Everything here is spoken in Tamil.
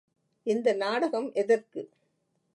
இந்த நாடகம் எதற்கு?